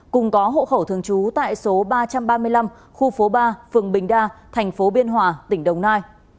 cùng có hộ khẩu thường trú tại số ba trăm ba mươi năm khu phố ba phường bình đa thành phố biên hòa tỉnh đồng nai